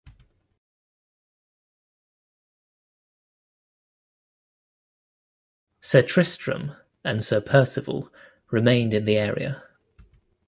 "Sir Tristram" and "Sir Percivale" remained in the area.